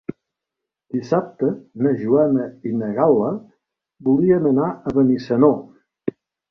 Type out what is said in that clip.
Dissabte na Joana i na Gal·la voldrien anar a Benissanó.